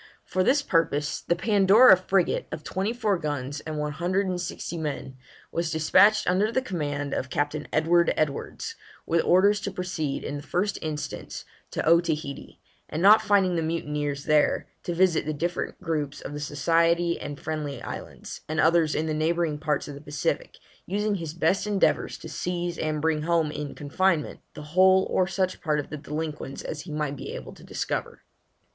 For this purpose, the Pandora frigate, of twenty four guns and one hundred and sixty men, was despatched under the command of Captain Edward Edwards, with orders to proceed, in the first instance, to Otaheite, and not finding the mutineers there, to visit the different groups of the Society and Friendly Islands, and others in the neighbouring parts of the Pacific, using his best endeavours to seize and bring home in confinement the whole or such part of the delinquents as he might be able to discover.